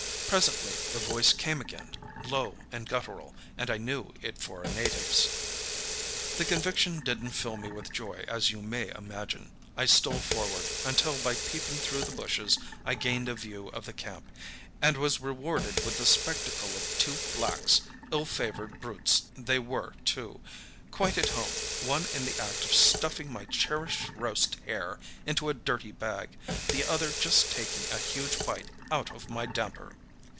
Presently the voice came again, low and guttural, and I knew it for a native's. "The conviction didn't fill me with joy, as you may imagine. I stole forward, until by peeping through the bushes I gained a view of the camp—and was rewarded with the spectacle of two blacks—ill favoured brutes they were, too—quite at home, one in the act of stuffing my cherished roast hare into a dirty bag, the other just taking a huge bite out of my damper!